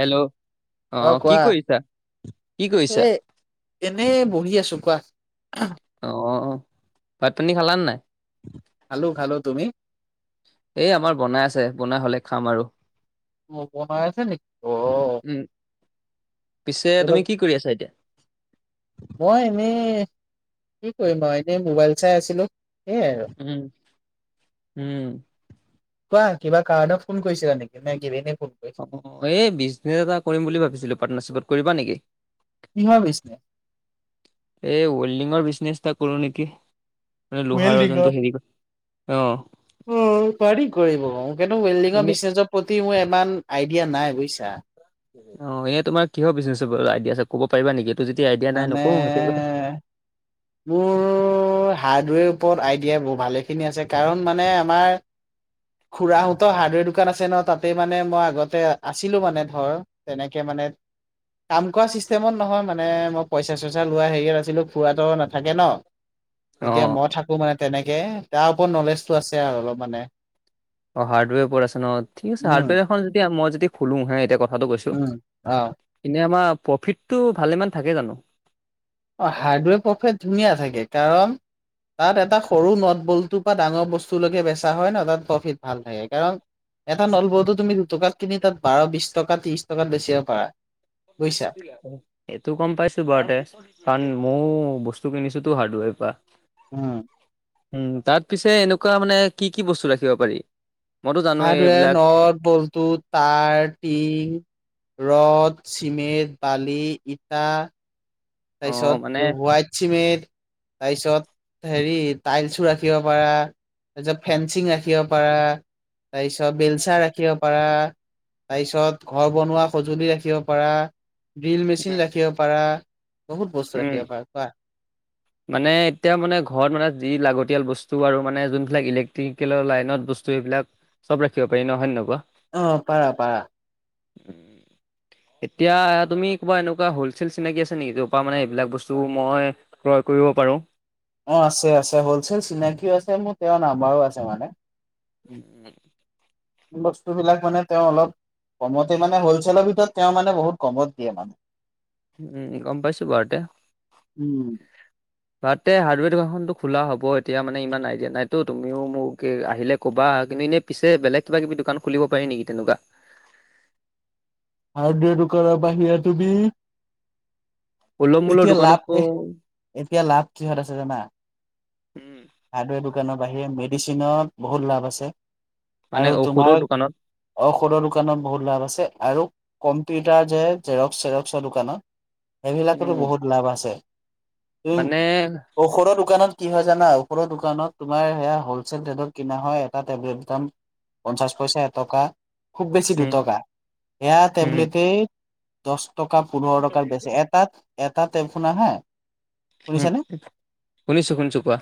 Hello অ অহ কোৱা কি কৰিছা কি এ কৰিছা এনেই বহি আছো কোৱা অ ভাত পানী খালা নে নাই খালো খালো তুমি এই আমাৰ বনাই আছে বনাই হলেই খাম আৰু অ বনাই আছে নেকি অ উম পিছে তুমি কি কৰি আছা এতিয়া মই এনেই কি কৰিম আৰু এনে মোবাইল চাই আছিলো সেইয়াই আৰু উম উম কোৱা কিবা কাৰণত ফোন কৰিছিলা নেকি নে কিবি অ এই বিজনেচ এটা কৰিম বুলি ভাবিছিলো পাৰ্টনাৰশ্বিপত কৰিবা নেকি তিনিশ লৈছিলে এই ৱেল্ডিঙৰ বিজনেছ এটা কৰো নেকি। মানে লোহাৰৰ ৱেল্ডিঙৰ যোনটো হেৰি কৰে। অঁ পাৰি কৰিব এইটো ৱেল্ডিঙৰ এনে বিজনেছৰ প্ৰতি মোৰ ইমান আইডিয়া নাই বুজিছা। অ এয়া তোমাৰ কিহৰ বিজনেছ আইডিয়া আছে ক'ব পাৰিবা নেকি। এইটো যদি আইডিয়া নাই মানে নকৰো সেইটোৱে কথা মোৰ হাৰ্ডৱেৰ ওপৰত আইডিয়া বহু ভালে খিনি আছে কাৰণ মানে আমাৰ। খুৰাহতৰ হাৰ্ডৱেৰ দোকান আছে ন তাতে মানে মই আগতে আছিলো মানে ধৰ তেনেকে মানে মানে কাম কৰা চিষ্টেমত নহয় মানে মানে মই পইচা চইচা লোৱা হেৰিয়ত আছিলো খুৰাটো নাথাকে ন এতিয়া অঁ মই থাকো মানে তেনেকে তাৰ ওপৰত নলেজটো আছে আৰু অলপ মানে। অ হাৰ্ডৱেৰ ওপৰত আছে ন ঠিক আছে উম হাৰ্ডৱেৰ এ যদি মই যদি খোলো হে এতিয়া ক কথাটো কৈছোঁ উম অ এনেই আমাৰ প্ৰফিটটো ভালেমান থাকে জানো অ হাৰ্ডৱেৰ প্ৰফেট ধুনীয়া থাকে কাৰণ তাত এটা সৰু নট বলটোৰ পৰা ডাঙৰ বস্তুলৈকে বেচা হয় ন তাত প্ৰফিট ভাল থাকে কাৰণ এটা নলবলটো তুমি দুটকাত কিনি তাত বাৰ বিশ টকা ত্ৰিছ টকাত বেচিব পাৰা বুজিছা সেইটো গম পাইছো বাৰতে কাৰণ ময়ো বস্তু কিনিছো তো হাৰ্ডৱেৰ পৰা উম উম তাত পিছে এনেকোৱা মানে কি কি বস্তু ৰাখিব পাৰি মইতো জানোৱেই হাৰ্ডৱেৰ এইবিলাক নদ বলটো তাৰ টিং ৰদ চিমেণ্ট বালি ইটা অ' মানে তাৰপিছত হোৱাইট চিমেণ্ট তাৰপিছত হেৰি টাইলছো ৰাখিব পাৰা তাৰ পিছত ফেঞ্চিং ৰাখিব পাৰা তাৰ পিছত বেলচাৰ ৰাখিব পাৰা তাৰপিছত ঘৰ বনোৱা সঁজুলি ৰাখিব পাৰা ড্ৰিল মেচিন উম, ৰাখিব পাৰা বহুত বস্তু উম ৰাখিব পাৰা, পাৰা। মানে এতিয়া মানে ঘৰত মানে যি লাগতিয়াল ব স্তু আৰু মানে যোনবিলাক ইলেক্ট্ৰিকেলৰ লাইনত বস্তু এইবিলাক চব ৰাখিব পাৰি ন হয় নে নহয় কোৱা। অহ পাৰা পাৰা উ এতিয়া তুমি কবা এনেকোৱা হলচেল চিনাকি আছে নেকি পাৰা মানে এইবিলাক বস্তু মই ক্ৰয় কৰিব পাৰোঁ অ আছে আছে হলছেল চিনাকিও আছে মোৰ তেওঁৰ নাম্বাৰো আছে মানে উম উম বস্তুবিলাক মানে তেওঁ অলপ কমতে মানে হ'লচেলৰ ভিতৰত তেওঁ মানে বহুত কমত দিয়ে মানে উম গম পাইছো বাৰতে উম, ঘতে হাৰ্ডৱেৰ দোকানখনটো খোলা হব এতিয়া মানে ইমান আইডিয়া নাইতো তুমিও মোক আহিলে ক'বা কিন্তু এনে পিছে বেলেগ কিবা কিবি দোকান খুলিব পাৰি নেকি তেনেকুৱা? হাৰ্ডৱেৰটো কৰাৰ বাহিৰা তুমি। সুলভ মূলৰ এতিয়া দোকান লাভ এখন এ এতিয়া লাভ কিহত আছে জানা। উম হাৰ্ডৱেৰ দোকানৰ বাহিৰে মেডিচিনত বহুত লাভ আছে। মানে আৰু ঔষধৰ তোমাৰ দোকানত ঔষধৰ দোকানত বহুত লাভ আছে আৰু কম্পিউটাৰ যে জেৰক্স চেৰক্সৰ দোকানত সেইবিলাকতো উম বহুত লাভ আছে। উম। মানে ঔষধৰ দোকানত কি হয় জানা? ঔষধৰ দোকানত তোমাৰ হলচেল ৰেটত কিনা হয় এটা টেবলেট দাম পঞ্চাশ পইচা এটকা। খুব বেছি উম দুটকা এয়া উম টেবলেটেই দছ টকা পোন্ধৰ টকাৰ বেছি এটাত এটা এফোনা হা উম শুনিছানে? শুনিছো শুনিছো কোৱা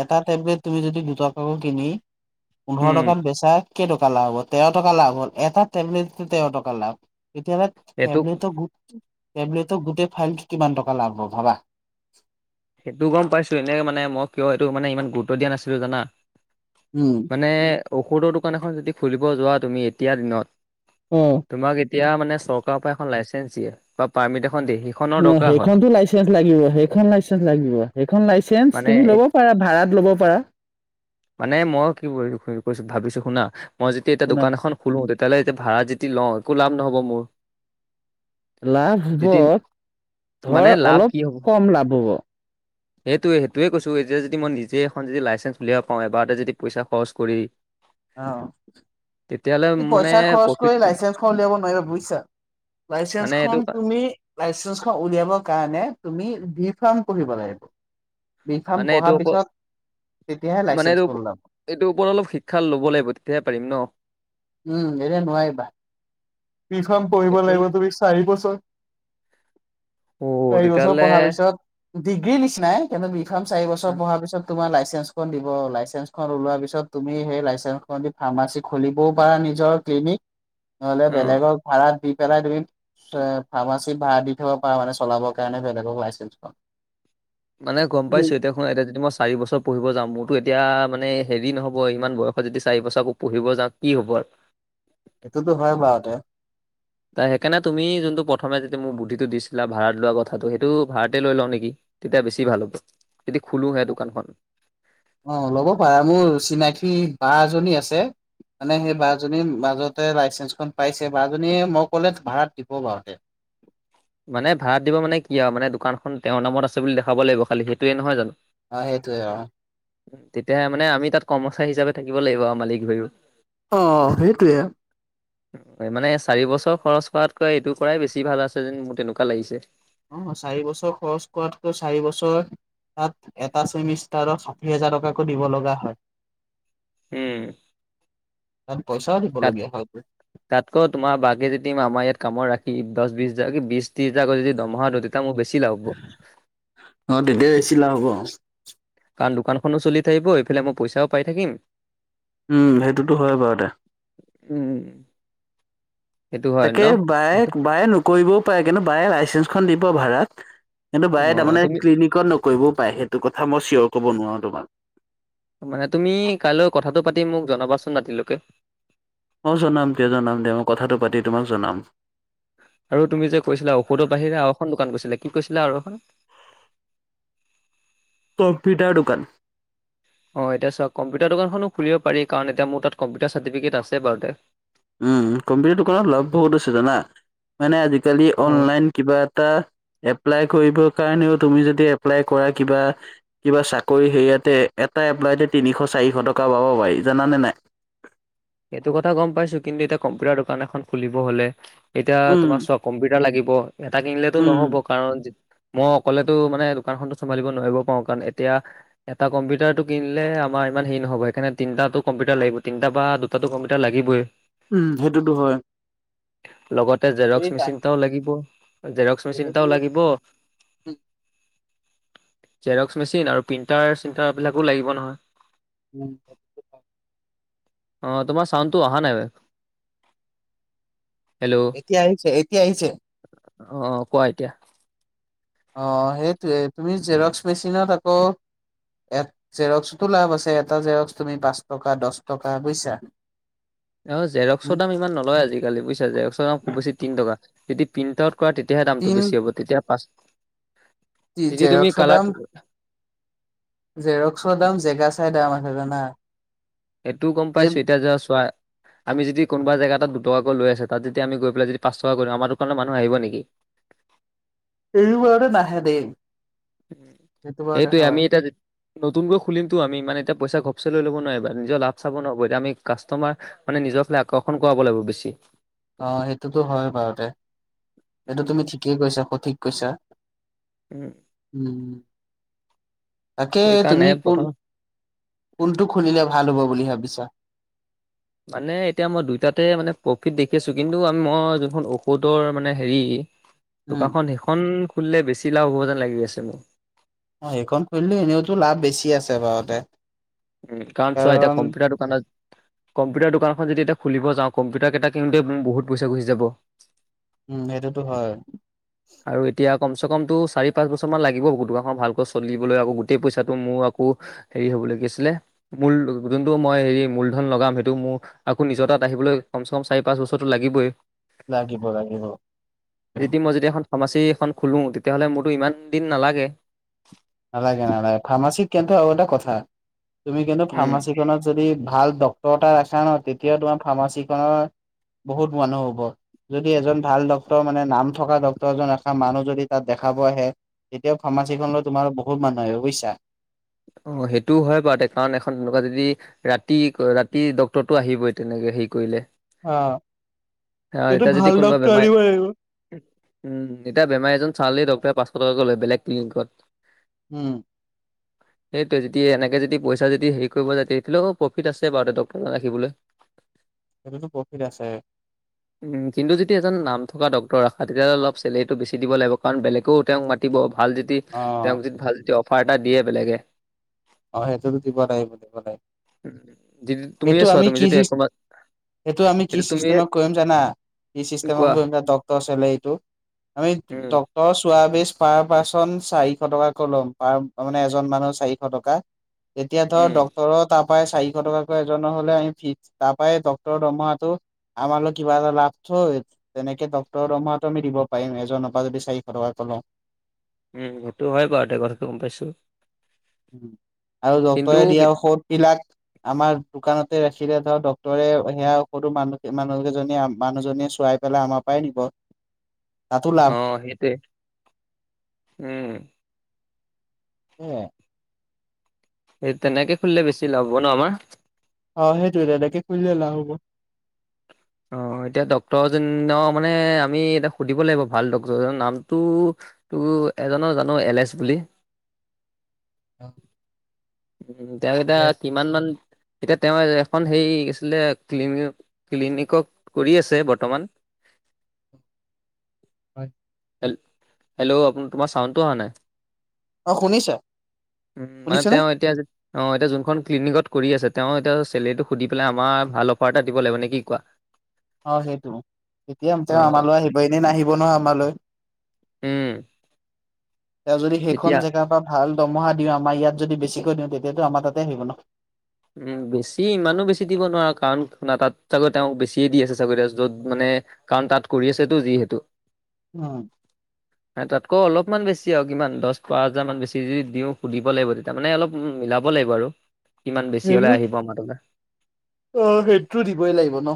এটা টেবলেট তুমি যদি দুটকা কে কিনি পোন্ধৰ উম টকাত বেচা কেই টকা লাভ হ'ব তেৰ টকা লাভ হ'ল এটা টেবলেট তেৰ টকা লাভ কেতিয়াবা সেইটো টেপলেটৰ গু- টেবলেটত গোটেই ফাইলটো কিমান টকা লাভ ভাবা। সেইটো গম পাইছো। এনেকে মানে মই কিয় এইটো মানে ইমান গুৰুত্ব দিয়া নাছিলো জানা। উম মানে ঔষধৰ দোকান এখন যদি খুলিব যোৱা তুমি এতিয়া দিনত অ তোমাক এতিয়া মানে চৰকাৰৰ পৰা এখন লাইচেঞ্চ দিয়ে বা পাৰ্মিট এখন দিয়ে সেইখনৰ অ' দৰকাৰ হয় সেইখনতো লাইচেঞ্চ লাগিব সেইখন লাইচে- চেঞ্চ লাগিব সেইখন লাইচেঞ্চ তুমি মানে ল'ব পাৰা। ভাড়াত লব পাৰা। মানে মই কি কৈছো ভাবিছো শুনা, মই যেতিয়া এতিয়া শুনা দোকান এখন খোলো। তেতিয়া হ'লে এতিয়া ভাড়া যেতি লওঁ একো লাভ নহ'ব মোৰ। লাভ যদি ধুধৰ মানে ধৰ লাভ অলপ কি হ'ব কম লাভ হ'ব। সেইটোৱে সেইটোৱে কৈছোঁ। এতিয়া যদি মই নিজে এখন যদি লাইচেঞ্চ উলিয়াব পাওঁ। এবাৰতে যদি পইচা খৰচ কৰি তেতিয়াহ'লে অ' মানে পইচা খৰচ প্ৰফিট কৰি লাইচেঞ্চখন উলিয়াব নোৱাৰিবা বুজিছা। মানে এইটো লাইচেঞ্চখন তুমি লাইচেঞ্চ উলিয়াব কাৰণে তুমি বি- ফাম পঢ়িব লাগিব। বিফাৰ্ম মানে এইটো পঢ়াৰ ওপ পিছত। তেতিয়াহে মানে এইটো লাইচেন্সখন ওলাব। এইটোৰ ওপৰত অলপ শিক্ষা ল'ব লাগিব। তেতিয়াহে পাৰিম ন। উম এনে নোৱাৰিবা। বিফাৰ্ম পঢ়িব একো ন লাগিব। তুমি চাৰি বছৰ অ চাৰি বছৰ তেতিয়াহ'লে পঢ়াৰ পিছত ডিগ্ৰী নিচিনাই। কিন্তু ফাৰ্মাচি বছৰ পঢ়া পিছত তোমাৰ লাইচে- চেঞ্চ খন‌ দিব। লাইচেঞ্চ পিছত তুমি সেই লাইচেঞ্চখন দি ফাৰ্মাচী খুলিব পাৰা নিজৰ তুমি অ বেলেগক ভাড়া দি পেলাই তুমি এ ফাৰ্মাচিত ভাড়া দি থব পাৰা। মানে চলাবৰ কাৰণে বেলেগক লাইচেঞ্চখন। মানে গম পাইছো। এতিয়া শুনা এতিয়া যদি মই চাৰি বছৰ পঢ়িব যাওঁ মোৰতো এতিয়া মানে হেভি নহ'ব। ইমান বয়সত যদি চাৰি বছৰ আকৌ পঢ়িব যাওঁ কি হ'বৰ। সেইটোতো হয় বাৰতে তা সেইকাৰণে তুমি যোনটো প্ৰথমে যেতিয়া মোৰ বুদ্ধিটো দিছিলা ভাড়াত লোৱা কথাটো সেইটো ভাড়াতেই লৈ লওঁ নেকি। তেতিয়া বেছি ভাল হ'ব। যদি খোলোহে দোকানখন অ' ল'ব পাৰো মোৰ চিনাক- ঠি বা জনী আছে মানে সে বা জনীৰ মাজত লাইচেঞ্চখন পাইছে বা এজনীয়ে মই ক'লে ভাড়া দিব বাৰতে। মানে ভাড় দিব মানে কি আও মানে দোকানখন তেওঁৰ নামত আছে বুলি দেখাব লাগিব। খালি সেইটোৱে নহয় জানো। আহ সেইটো অহ। তেতিয়াহে মানে আমি তাত কৰ্মচাৰী হিচাপে থাকিব লাগিব আৰু মালিক হৈও। অ' সেইটোৱে। মানে চাৰি বছৰ খৰচ কৰাতকৈ এইটো কৰাই বেছি ভাল আছে যেন মোৰ তেনেকুৱা লাগিছে। অ' চাৰি বছৰ খৰচ কৰাতকৈ চাৰি বছৰ তাত এটা ছেমিষ্টাৰক ষাঠি হাজাৰ টকাকৈ দিব লগা হয়। উম। তাত পইচাও তাত, দিবলগীয়া হয় তাতকৈ তোমাৰ বাকী যদি আমাৰ ইয়াত কামত ৰাখি দছ বিছ যা কি বিছ তিছ হাজাৰ কৈ দৰমহা দ দে অ তেতিয়া বেছি লাভ হ'ব। কাৰণ দোকানখনো চলি থাকিব, এইফালে মই পইচাও পাই থাকিম উম সেইটোতো হয় বাৰু দে। উম সেইটো হয় তাকে ন? বায়ে বায়ে নকৰিবও পাৰে কিন্তু বায়ে লাইচেঞ্চখন দিব ভাড়াত। কিন্তু বায়ে অ' তাৰমানে তুমি ক্লিনিকত নকৰিবও পাৰে, সেইটো কথা মই চিয়ৰ ক'ব নোৱাৰো তোমাক। মানে তুমি কাইলৈ কথাটো পাতি মোক জনাবাচোন ৰাতিলৈকে। অঁ জনাম দিয়া জনাম দিয়া, মই কথাটো পাতি তোমাক জনাম। আৰু তুমি যে কৈছিলা ঔষধৰ বাহিৰে আৰু এখন দোকান কৈছিলা, কি কৈছিলে আৰু এখন? কম্পিউটাৰ দোকান। অঁ এতিয়া চাওক কম্পিউটাৰ দোকানখনো খুলিব পাৰি কাৰণ এতিয়া মোৰ তাত কম্পিউটাৰ চাৰটফিকেট আছে বাৰুতে। উম কম্পিউটাৰ দোকানত লাভ বহুত আছে জানা, মানে আজি কালি অ'। অনলাইন কিবা এটা এপ্লাই কৰিব কাৰণেও তুমি যদি এপ্লাই কৰা কিবা, কিবা চাকৰি সেয়াতে এটা এপ্লাই তে তিনিশ- চাৰিশ টকা পাব পাৰি জনা নে নাই? সেইটো কথা গম পাইছো কিন্তু এতিয়া কম্পিউটাৰ দোকান এখন খুলিব হলে এতিয়া উম তোমাক চোৱা কম্পিউটাৰ লাগিব, এটা কিনিলেতো উম নহ'ব কাৰণ মই অকলেতো মানে দোকানখনতো চমভালিব নোৱাৰিব পাৰো কাৰণ এতিয়া এটা কম্পিউটাৰটো কিনিলে আমাৰ ইমান হেৰি নহব সেইকাৰণে তিনটা কম্পিউটাৰ লাগিব, তিনটা বা দুটাতো কম্পিউটাৰ লাগিবই। উম সেইটোতো হয়। লগতে জেৰক্স মেচিনটাও লাগিব। জেৰক্স মেচিন এটাও লাগিব জেৰক্স মেচিন আৰু প্ৰিন্টাৰ -চিন্টাৰ বিলাকো লাগিব নহয়। উম। আহ তোমাৰ চাউণ্ডটো অহা নাই? হেল্ল' এতিয়া আহিছে এতিয়া আহিছে। অ কোৱা এতিয়া? অ সেইটোৱে তুমি জেৰক্স মেচিনত আকৌ এ জেৰক্সতো লাভ আছে, এটা জেৰক্স তুমি পাঁচ টকা দছ টকা বুজিছা? অ জেৰক্সৰ দাম ইমান নলয় আজিকালি বুজিছা, জেৰক্সৰ দাম খুব বেছি তিন টকা যদি প্ৰিন্টত কৰা তেতিয়াহে দামটো তিন বেছি হ'ব তেতিয়া পাঁচ যদি তুমি জেৰক্সৰ কালাৰ দাম জেৰক্সৰ দাম জেগা চা ন [inaudible] সেইটোও গম পাই চুৱেটাৰ জ চোৱা? আমি যদি কোনোবা জেগা এটাত দুটকাকৈ লৈ আছে, তাত যদি আমি গৈ পেলাই যদি পাঁচ টকা কৰি দিম আমাৰ দোকানৰ মানুহ আহিব নেকি? [inaudible] এৰিবৰে নাহে দেই। উম সেইটো বাৰতে সেইটোয়ে হয় আমি এতিয়া, নতুনকৈ খুলিমতো আমি মানে এতিয়া পইচা গম পিছত লৈ ল'ব নোৱাৰিবা, নিজৰ লাভ চাব নোৱাৰিবা, এতিয়া আমি কাষ্টমাৰ মানে নিজক লৈ আকৰ্ষণ কৰাব লাগিব বেছি। অ সেইটোতো হয় বাৰুতে, সেইটো উম, তুমি ঠিকেই কৈছা সঠিক কৈছা। উম, উম। তাকে সেইকাৰণে তুমি কোন প্ৰথম কোনটো খুলিলে ভাল হ'ব বুলি ভাবিছা? মানে এতিয়া মই দুইটাতে মানে প্ৰফিট দেখি আছোঁ কিন্তু আমি মই যোনখন ঔষধৰ মানে হেৰি উম দোকানখন সেইখন খুলিলে বেছি লাভ হ'ব যেন লাগি আছে মোক। অ সেইখন খুলিলো এনেওতো লাভ বেছি আছে বাৰতে। উম কাৰণ চোৱা এতিয়া কম্পিউটাৰটো দোকানত কম্পিউটাৰ দোকানখন যদি এতিয়া খুলিব যাওঁ কম্পিউটাৰ কেইটা কিন্তু বহুত পইচা গুচি যাব। উম সেইটোতো হয়। আৰু এতিয়া কম চে কমতটো চাৰি পাঁচ বছৰ মান লাগিব দোকানখন ভালকৈ চলিবলৈ আকৌ গোটেই পইচাটো মোৰ আকৌ হেৰি হ'ব। যোনটো মই হেৰি মূলধন লগাম সেইটো মোৰ আকৌ নিজৰ তাত আহিব কমচেকম চাৰি পাঁচ বছৰটো লাগিবই। লাগিব লাগিব। ফৰ্মাচি এখন খোলোঁ তেতিয়াহ'লে মোৰতো ইমান দিন নালাগে। নালাগে নালাগে ফাৰ্মাচীত কিন্তু আৰু এটা কথা তুমি কিন্তু উম ফাৰ্মাচীখনত যদি। ভাল ডক্তৰ এটা ৰাখা ন তেতিয়া তোমাৰ ফাৰ্মাচীখনৰ বহুত মানুহ হ'ব। যদি এজন ভাল ডক্তৰ মানে নাম থকা ডক্তৰ এজন এখন মানুহ যদি তাত দেখাব আহে। তেতিয়া ফাৰ্মাচীখন লৈ তোমাৰ বহুত মানুহ আহিব বুইছা। অ সেইটোও হয় বাৰু তে কাৰণ এখন তেনেকুৱা যদি ৰাতি ৰাতি ডক্তৰটো আহিবই তেনেকে। হেৰি কৰিলে। অ। কিন্তু এতিয়া যদি ভাল কোনোবা ডক্তৰ বেমাই আনিব লাগিব। এতিয়া বেমাই এজন ছালেই ডক্তৰে পাচ ফতকৈ বেলেগ ক্লিকত। উম। হয়্ সেইটোৱে যদি এনেকে যদি পইচা যদি হেৰি কৰিব যা তেতিাহয়ালেও প্ৰফিট আছে বাৰু [unintelligible] ৰাখিবলৈ। [unintelligible] সেইটোতো প্ৰফিট আছে। কিন্তু যদি এজন নাম থকা ডক্তৰ ৰাখা তেতিয়াাহ'লে অলপ চেলেৰিটো বেছি দিব লাগিব কাৰণ বেলেগেও তেওঁক মাতিব। ভাল যদি অ', তেওঁক যদি ভাল য অফাৰ এটা দিয়ে বেলেগে। অ সেইটোটো [unintelligible] টাইপ মানে দি তুমিয়ে ছোৱা তুমি যদি চিচ [unintelligible] সেইটো আমি কি চিষ্টেমত কৰিম জানা কি চিষ্টেম কোৱা কৰিম জান ডক্তৰ চেলাৰি টো। আমি উম, ডক্তৰ চোৱা বিছ। পাৰ পাৰ্চন চাৰিশ টকাকৈ ল'ম পাৰ মানে এজন মানুহ চাৰিশ টকা। তেতিয়া ধৰ উম, ডক্তৰ তাত ই চাৰিশ টকাকৈ এজনৰ হলে আমি ফি তাৰ পৰাই ডক্তৰৰ দৰমহাটো। আমাৰ লগ কিবা এটা লাভ থৈ তেনেকে ডক্তৰৰ দৰমহাতো আমি দিব পাৰিম এজনৰ পৰা যদি চাৰিশ টকা লও। উম সেইটো হয় বাৰু দে কথাটো গম পাইছো। আৰু কিন্তু ডক্তৰে দিয়া কেত- ঔষধ বিলাক আমাৰ দোকানতে ৰাখিলে ধৰ ডক্তৰে সেয়া সৰু মানুহ মানুহকেজনীয়ে মানুহজনীয়ে চোৱাই পেলাই আমাৰ পৰাই নিব‌ [unintelligible] অ সেইটোৱ উম। হ এই তেনেকে খুলিলে বেছি ল'ব ন আমাৰ অ সেইটোৱে তেনেকে খুলিলে লাভ হ'ব্। অ এতিয়া ডক্তৰজনৰ মানে আমি এতিয়া সুধিব লাগিব ভাল ডক্তৰজনৰ নামটো। তোৰ এজনৰ জানো এল এছ বুলি অ তেনে তাত কিমান মান এতিয়া তেওঁ এখন সেই আছিলে ক্লিন ক্লিনিকক কৰি আছে বৰ্তমান। [unintelligible] হয়। ল হেল্ল' আপ তোমাৰ চাউণ্ডটো অহা নাই। অ শুনিছা উম মানে শুনিছো। তেওঁ এতিয়া যে। অ এতিয়া যোনখন ক্লিনিকত কৰি আছে তেওঁ এতিয়া চেলেৰীটো সুধি পেলাই আমাৰ ভাল অফাৰ এটা দিব লাগিব নে কি কোৱা। অ সেইটো এতিয়া অ তেওঁ আমালৈ আহিব এনেই ন আহাহিব নহ আমালৈ। উম। তেওঁ যদি সেইখন এতিয়া জেগাৰ পৰা ভাল দমহা দিওঁ আমাৰ ইয়াত যদি বেছিকৈ দিওঁ তেতিয়াতো আমাৰ তাতে আহিব ন। উম বেছি ইমানো বেছি দিব নোৱাৰো কাৰণ তাত চাগৈ তেওঁ বেছিয়ে দি আছে চাগৰি য'ত মানে- তাত কৰি আছে তো উম তাত। কিমান বেছি আৰু কিমান দহ প হাজাৰ মান বেছি যদি দিওঁ সুধিব লাগিব তেতিয়া মানে অলপ মিলাব লাগিব আৰু কিমান বেছি হলে সেইটো আহিব আমাৰ তোৰ অ সেইটো দিবই লাগিব ন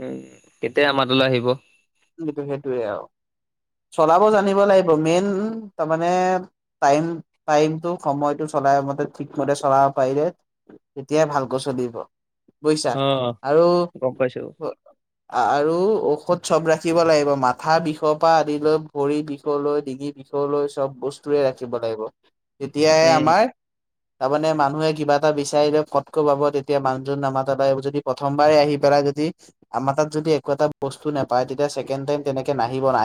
উম কেতিয়া আমাৰলৈ আহিব সেইটো সেইটোয়ে আৰু চলাব উম, জানিব লাগিব মেইন। উ তাৰ মানে টাইম টাইম টো সময়তটো চলাই মতে ঠিকমতে চলাব পাৰিল তেতিয়াই ভালকৈ চলিব বুজিছা অ', আৰু গম পাইছো আৰু ঔষধ চব ৰাখে ৰাখিব লাগিব মাথা বিষৰ পৰা আদি লৈ ভৰি বিষলৈ ডিঙি বিষলৈৈ চব বস্তুয়ে ৰাখিব তেতিয়াহে উম। আমাৰ। তাৰমানে মানুহে কিবা এটা বিচাৰিলে কতকৈ বাব তেতিয়া মানুহজন নামা তাদা যদি প্ৰথমবাৰে আহি পেল আমাৰ তাত যদি একো এটা বস্তু নাপায় তেতিয়াছেকে তেনেকে নাহিব নাহ